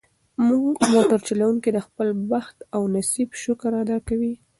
موټر چلونکي د خپل بخت او نصیب شکر ادا کړ.